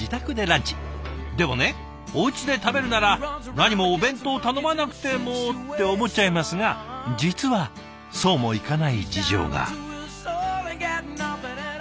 でもねおうちで食べるならなにもお弁当頼まなくてもって思っちゃいますが実はそうもいかない事情が。